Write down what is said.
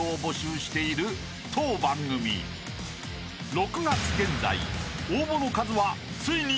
［６月現在］